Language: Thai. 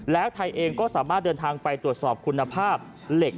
แล้วไทยเองก็สามารถเดินทางไปตรวจสอบคุณภาพเหล็ก